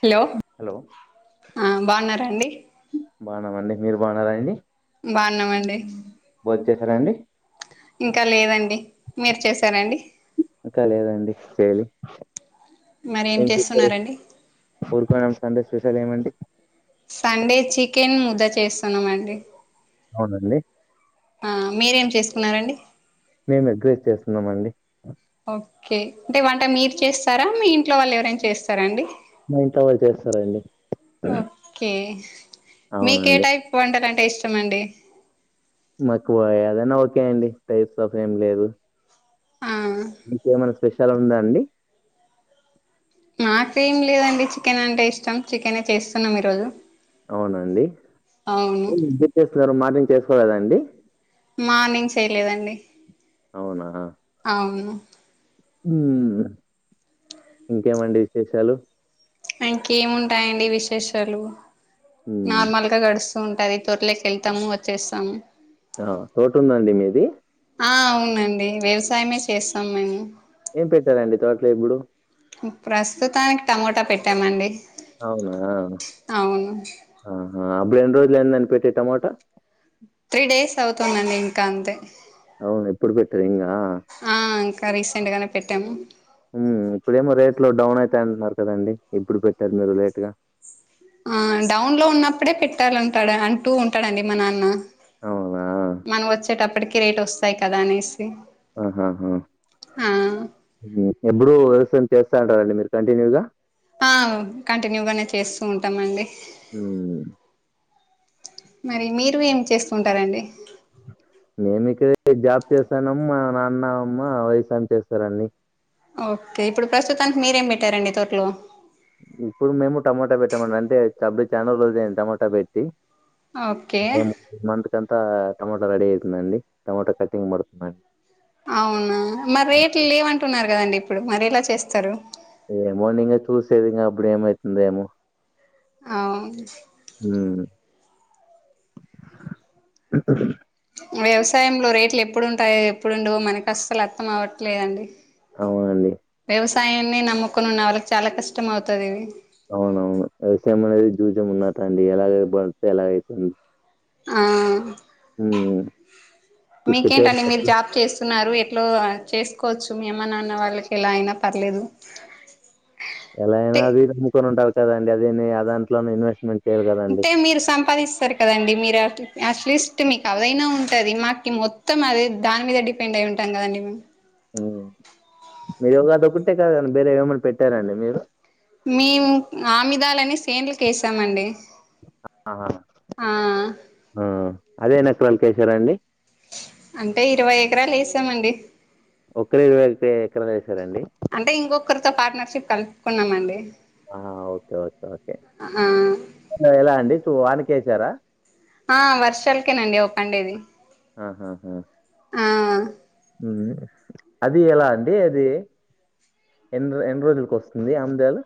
Hello hello ఆ బాగున్నారా అండి బాన్నామండి మీరు బాన్నారండి బాగున్నామండి బోన్ చేసారా అండి ఇంకా లేదండి మీరు చేసారండి ఇంకా లేదండి చేయ్ లి, మరి ఏం చేసారు. చేస్తున్నారండి ఊరుకున్నాం సండే స్పెషల్ ఏమండి సండే చికెన్ ముద్ద చేస్తున్నాం అండి అవునండి ఆ మీరేం చేస్తున్నారండి మేము ఎగ్ రైస్ చేస్తున్నాం అండి ఓకే అంటే వంట మీరు చేస్తారా మీ ఇంట్లో వాళ్ళు ఎవరైనా చేస్తారా అండి మా ఇంట్లో వాళ్ళు చేస్తారండి ఓకే మీకే అవునండి టైప్ వంటలు అంటే ఇష్టమండి మాకు యాదైనా ఓకే అండి టైప్స్ ఆఫ్ ఏం లేదు ఆ ఇంక ఏమైనా స్పెషల్ ఉందా అండి మాకేమ్ లేదండి చికెన్ అంటే ఇష్టం చికెనే చేస్తున్నాం ఈరోజు అవునా అండి [unintelligible] అవును ఏం చేస్తున్నారు మార్నింగ్ చేసుకోలేదాండి మార్నింగ్ చేయలేదండి అవునా అవును ఉమ్ ఇంకేమండి విశేషాలు ఇంకేముంటాయండి విశేషాలు మ్మ్. నార్మల్గా గడుస్ తు ఉంటది తొర్లకెళ్తాము వచ్చేస్తాము ఆ తోటుందా అండి మీది ఆ అవునండి వ్యవసాయమే చేస్తాం మేము ఏం పెట్టారండి తోటలో ఇప్పుడు ప్రస్తుతానికి టమోటా పెట్టామండి అవునా అవును ఆహా అప్పుడు ఎన్ని రోజులు అయిందండి పెట్టి టమోటా త్రీ డేస్ అవుతుందండి ఇంకా అంతే అవును. ఇప్పుడు పెట్టారు ఇంగా. ఆ ఇంకా రీసెంట్ గానే పెట్టాము ఉమ్ ఇప్పుడేమో రేట్ లో డౌన్ అవుతాయి అంటున్నారు కదండి ఇప్పుడు పెట్టారు మీరు లేట్ గా ఆ డౌన్ లో ఉన్నప్పుడే పెట్టాలంటాడు అంటూ ఉంటాడండి మా నాన్న అవునా? మనం వచ్చేటప్పటికి రేటు వస్తాయి కదా అనేసి ఆహాహా ఆ ఎప్పుడు వ్యవసాయం చేస్తారంటారండి మీరు కంటిన్యూగా ఆ కంటిన్యూగానే చేస్తూ ఉంటామండి ఉమ్ మరి మీరు ఏం చేస్తుంటారండి మేమి ఇక్కడే జాబ్ చేస్తానం మా నాన్న అమ్మ వ్యవసాయం చేస్తారండి ఓకే ఇప్పుడు ప్రస్తుతానికి మీరేం పెట్టారండి తోట్లో ఇప్పుడు మేము టమోటా పెట్టామండి అంటే చాలా రోజులైంది టమాటా పెట్టి ఓకే ము మంత్ కంతా టమోటా రెడీ అవుతుందండి టమోటా కటింగ్ పడుతుందండి అవునా మరి రేట్లు లేవంటున్నారు కదండి ఇప్పుడు మరి ఎలా చేస్తారు ఏమో నింగా చూసేదింగ అప్పుడేమైతుందో ఏమో అవ్ ఉహ్ వ్యవసాయంలో రేట్లు ఎప్పుడుంటాయో ఎప్పుడుండవో మనకు అసలు అర్థం అవట్లేదండి అవునండి వ్యవసాయాన్ని నమ్ముకొని ఉన్న వాళ్ళకి చాలా కష్టం అవుతది ఇవి అవునవును వ్యవసాయం అనేది జూజం ఉన్నట్టండి ఎలాగై పడితే ఎలాగైతుంది ఆ హ్మ్. చిక్కితే మీకేంటండి మీరు అది జాబ్ చేస్ స్తున్నారు ఎట్లో చేసుకోవచ్చు మీ అమ్మ నాన్న వాళ్ళకి ఎలా అయినా పర్లేదు ఎలా అయినా అంటే అది నమ్ముకొనింటారు కదండి అదేని ఆ దాంట్లోనే ఇన్వెస్ట్మెంట్ టే మీరు సంపాదిస్తారు కదండి మీరు అట్లిస్ట్ మీకు అదైనా ఉంటది మాకి మొత్తం అదే దాని మీద డి పెండ్ అయి ఉంటాం కదండీ మేం మీరుద ఒకటే కాదని వేరే ఏమన్న పెట్టారండి మీరు మేము ఆమిదాలని సేండ్లకేసామండి ఆ అదే నక్రల్కేశారండి అంటే ఇరవై ఎకరాలు ఏసామండి ఒక్కరు ఇరవై కే ఎకరాలు వేసారండి అంటే ఇంకొకరితో పార్ట్నర్షిప్ కలుపుకున్నామండి ఆ ఓకే ఓకే ఓకే ఆ ఎలా అండి చూ వానకి వసారా ఆ వర్షాలకేనండి అవి పండేది ఆహాహా ఆ ఉమ్ అది ఎలా అండి అది ఎన్నిరా ఎన్ని రోజులకి వస్తుంది ఆమ్మదేల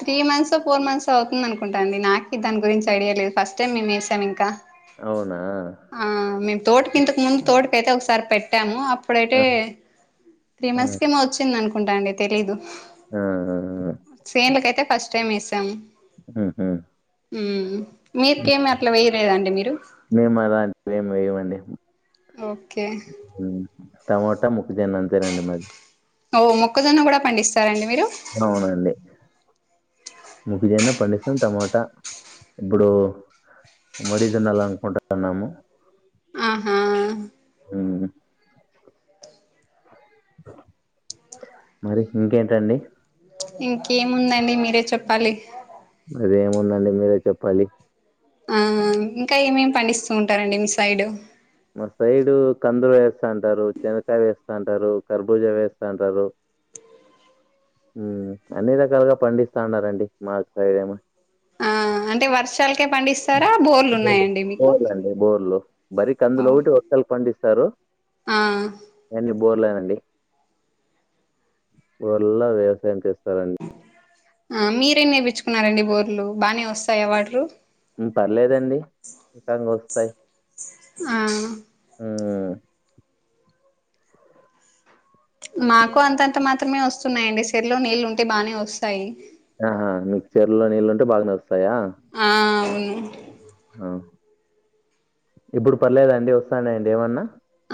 త్రీ మంత్స్ ఓ ఫోర్ మంత్స్ ఓ అవుతుంది అనుకుంటాండీ నాకి దాని గురించి ఐడియా లేదు ఫస్ట్ టైం మేము వేసాం ఇంకా అవునా ఆ మేము తోటకింతకు ముందు తోటకైతే ఒకసారి పెట్టాము అప్పుడైతే ఆ! త్రీ ఆ! మంత్స్ కెమో వచ్చిందనుకుంటా అండి తెలీదు ఆ ఉహూ సేన్లకైతే ఫస్ట్ టైమ్ వేసాం ఉహ్మ్ హు ఉమ్ మీకేమి అట్లా వయ్యలేదండి మీరు మేము అలాంటి ఏమి వేయమండి ఓకే ఉమ్ టమోటా ముక్కజొన్న అంతే రండి మది ఓ మొక్కజొన్న కూడా పండిస్తారండి మీరు అవునండి ముగిదనా పండిస్తాం టమోటా ఇప్పుడు ముడిగనల్ అంకుంట నము ఆహా ఉమ్ మరి ఇంకేంటండి ఇంకేముందండి మీరే చెప్పాలి ఇంకేముందండి మీరే చెప్పాలి ఆ ఆ ఇంకా ఏమేమి పండిస్తూ ఉంటారండి మీ సైడ్ మా సైడు కందులు వేస్తంటారు శనకాయ వేస్తంటారు కర్బూజ వేస్తాంటారు ఉమ్ అన్ని రకాలుగా పండిస్తా ఉన్నారండి మాకు సైడేమో ఆ అంటే వర్షాలకే పండిస్తారా బోర్లు ఉన్నాయండి మీకు యా అండి బోర్లు మరీ ఓ కందులోకటి వర్షాలకి పండిస్తారు ఆ ఇగ అన్ని బోర్లేనండి బోర్లా వ్యవసాయం చేస్తారండి ఆ మీరే నేపిచుకున్నారండి బోర్లు బానే వస్తాయా వటారు ఉమ్ పర్లేదండి ఇంకాంగా వస్తాయి ఆ ఉహ్మ్ మాకు అంతంతా మాత్రమే వస్తున్నాయండి సరలో నీళ్ళు ఉంటే బానే వస్తాయి ఆహా మీకు చెరువులో నీళ్ళు ఉంటే బాగానే వ ఆ అవును ఆ ఇప్పుడు పర్లేదాండి వస్తాయానండి ఏమన్నా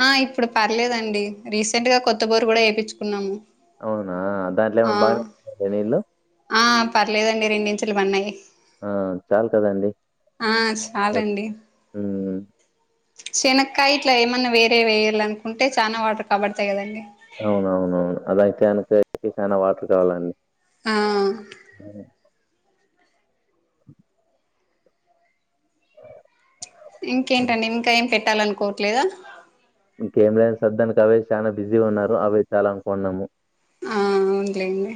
ఆ ఇప్పుడు పర్లేదండి రీసెంట్ గా కొత్త బోరు కూడా ఎపించుకున్నాము అవునా దాంట్లో ఏమన్నా బాగానే వస్తాయా నీళ్ళలు ఆ పర్లేదండి రెండించూలు పన్నాయి ఆ చాలు కదండి ఆ సాలండి హ్మ్. శనక్కాయ ఇట్ల ఏమన్నా వేరే వేయాలనుకుంటే చానా వాటర్ కబడతాయి గదండి అవునవునవును అదైతే అనక చానా వాటర్ కావాలండి ఆ హ [unintelligible] ఇంకేంటండి ఇంకా ఏం పెట్టాలనుకోవట్లేదా ఇంకేం లేదు సర్దెనక అవే చానా బిజీగా ఉన్నారు అవే చాలనుకోన్నాము ఆ అవున్లేండి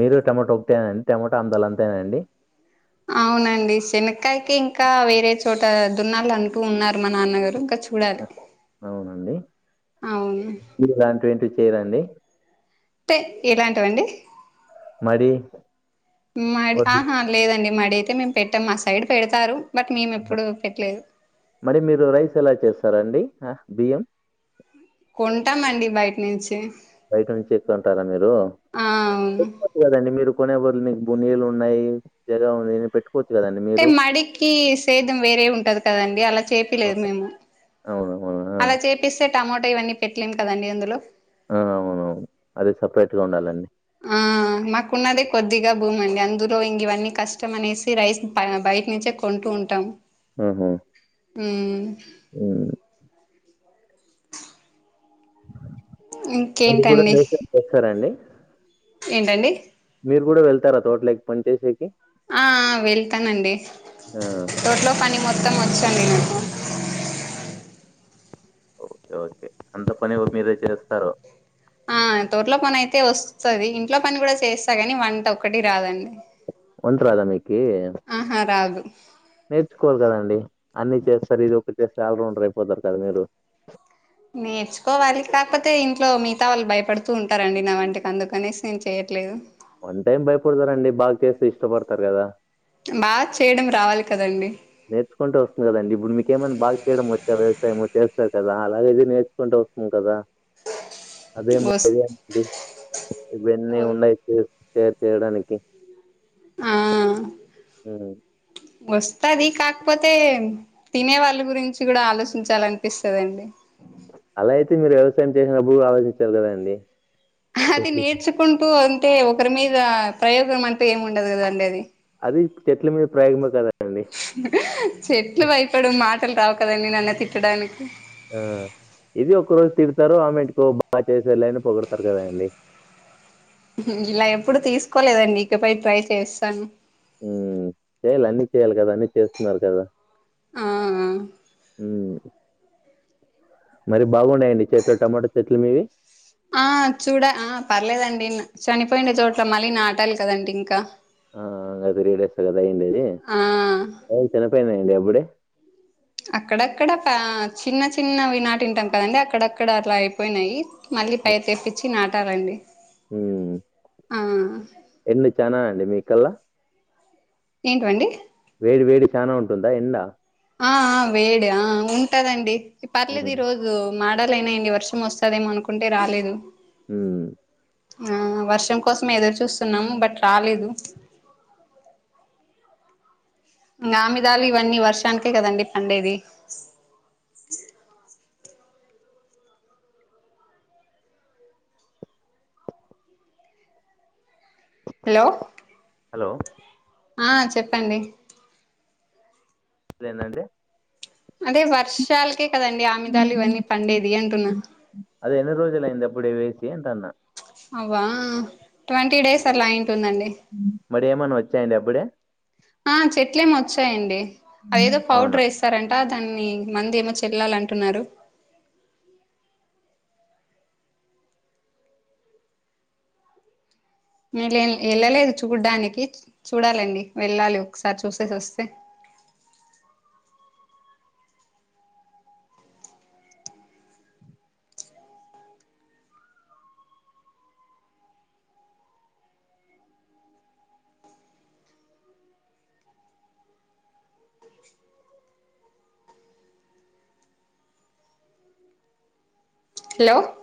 మీరు టమోటా ఒకేనాండి టమోటా అందాలు అంతేనా అండి అవునండి శనక్కాయకి ఇంకా వేరే చోట దున్నాల అంటూ ఉన్నారు మా నాన్నగారు ఇంకా చూడాలి అవును ఇలాంటి ఏంటివి చెయ్ రా అండి ఎలాంటి వండి మడి మాడి వడ్లు ఆహా లేదండి మడైతే మేము పెట్టం మా సైడ్ పెడతారు బట్ మేమెప్పుడు పెట్లేదు మరి మీరు రైస్ ఎలా చేస్తారండి బియ్యం కొంటామండి బయట నుంచి బయట నుంచి ఎక్కుంటారా మీరు ఆ అవును లేదండి మీరు కొనే బొదులు మీకు బునీలు ఉన్నాయి జగా ఉందిని పెట్టు పోచ్చు గదండి మీ మడికి సేద్యం వేరే ఉంటది కదండి అలా చేపిలేదు మేము అవును టమోటో ఇవన్నీ పెట్లేము కదండి అందులో ఆ అవునవును అది సపరేట్గా ఉండాలండి ఆ మాకున్నదే కొద్దిగా భూమండి అందులో ఇంగివన్నీ కష్టం అనేసి రైస్ బయట నుంచే కొంటూ ఉంటాం ఆహా ఊ ఊ మీరు గూడా ఇంకేంటండి చెస్తారాండి ఏంటండి మీరు గూడా వెళ్తారా తోటలేకి పనిచేసేకి ఆ ఆ వెళ్తనండి ఆ! తోట్లో పని మొత్తం వచ్చండి నాకు ఓకే ఓకే అంత పని గుడ్ మీరే చేస్తారు ఆ తోటలో పనైతే వస్తుది ఇంట్లో పని గూడా చేస్తా గాని వంట ఒక్కటి రాదండి వంట్ రాదా మీకి ఆహా రాదు నేర్చుకోవాలి గదండి అన్నీ చేస్తారు ఇదొకటి చేస్తే ఆల్రౌండర్ అయిపోతారు కద మీరు నేర్చుకోవాలి కాకపోతే ఇంట్లో మిగతా వాళ్ళు భయపడుతూ ఉంటారండి నా వంటికి అందుకనేసి నేను చేయట్లేదు. వన్ టైం భయపడతారండి బాగ్ చేస్తే ఇష్టపడతారు కదా బా చేయడం రావాలి కదండి నేర్చుకుంటే వస్తుంది గదండి ఇప్పుడు మీకేమనా బాగ్ చేయడం వచ్చా వ్యవసాయము చేస్తారు కదా అలాగిది నేర్చ్ కుంటే వస్తుంది కదా అదేమో వస్ ఇబుడన్నీ ఉన్నాయి షేర్ చేయడానికి ఆ ఉమ్ వస్తది కాకపోతే తినే వాళ్ళ గురించి కూడా ఆలోచించాలనిపిస్తుందండి అలా అయితే మీరు వ్యవసాయం చేసినప్పుడు కూడా ఆలోచించాలారు కదా అండి అది నేర్చుకుంటూ అంటే ఒకరి మీద ప్రయోగం అంటే ఏమి ఉండదు కదండడి అది అది చెట్ల మీద ప్రయోగామే కదా చెట్లు భయపడు మాటలు రావు కదండి నన్ను తిట్టడానికి ఆ ఇది ఒక్క రోజు తిడతారో ఆమె ఇంటికో బాగా చేసే లె అని పొగడతారు కదా అండి ఇలా ఎప్పుడు తీసుకోలేదండి ఇకపై ట్రై చేస్తాను చేయ్యాలి అన్ని చేయ్యాలి కదా అన్ని చేస్తున్నారు కదా ఆ ఆ హు మరి బాగున్నాయండి మిచెనులొ టమాటా చెట్లు మీవి ఆ చూడ ఆ పర్లేదండి చనిపోయిన చోట్ల మళ్ళీ నాటాలి కదండి ఇంకా ఆ ఇంక త్రీ డేస్ కదా అయిడి అది ఆ అ చనిపోయినాయండి అప్పుడే అక్కడక్కడ చిన్న చిన్నవి నాటింటాం కదండి అక్కడక్కడ అలా అయిపోయినాయి మళ్ళీ పై తెప్పించి నాటాలండి ఆ ఎండు చనా అండి మీకల్లా ఏంటివండి వేడి వేడి చానా ఉంటుందా ఎండ ఆ వేడి ఆ ఉంటదండి పర్లేదు ఈ హ్మ్. రోజు మాడాలయినాయండి వర్షం వస్తదేమో అనుకుంటే రాలేదు హ ఆ వర్షం కోసం ఎదోరు చూస్తున్నాము బట్ రాలేదు ఇ ఆముదాలు ఇవన్నీ వర్షానికే కదండి పండేది హలో హలో ఆ చెప్పండి ఏందండీ అదే వర్షాలకే కదండి ఇ ఆముదాలు ఇవన్నీ పండేది అంటున్నా అదే ఎన్ని రోజులు అయిందిప్పుడే వేసి అంటన్నా అవ్వ ట్వంటీ డేస్ అట్లా అయింటుందండి మరి ఏమన్నా వచ్చాయండి అప్పుడే ఆ చెట్లేమ వచ్చాయండి అదేదో అవునా? పాడెర్ఎస్ సారంట దాన్ని మందు ఏమో చల్లాలి అంటున్నారు నళ్ళ వెళ్ళలేదు చూడ్డానికి చూడాలండి వెళ్ళాలి ఒకసారి చూసేసి వస్తే హలో